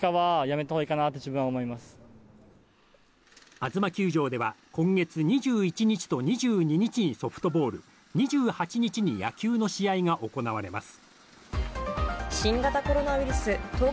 あづま球場では今月２１日と２２日にソフトボール２８日に野球の試合が行われます。